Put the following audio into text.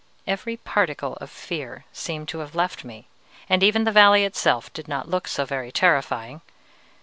Every particle of fear seemed to have left me, and even the valley itself did not look so very terrifying.